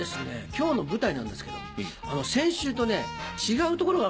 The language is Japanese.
今日の舞台なんですけど先週とね違うところがあるんですよ。